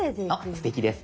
すてきです